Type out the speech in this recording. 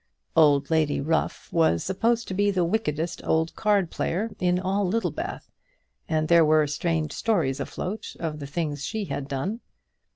Old Lady Ruff was supposed to be the wickedest old card player in all Littlebath, and there were strange stories afloat of the things she had done.